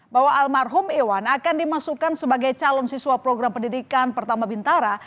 bahwa almarhum iwan akan dimasukkan sebagai calon siswa program pendidikan pertama bintara